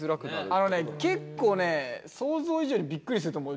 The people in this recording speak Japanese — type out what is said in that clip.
あれね結構ね想像以上にびっくりすると思うよ。